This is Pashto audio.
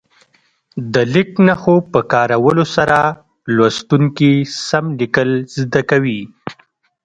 د لیک نښو په کارولو سره لوستونکي سم لیکل زده کوي.